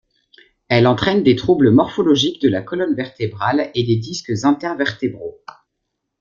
Elle entraîne des troubles morphologiques de la colonne vertébrale et des disques intervertébraux.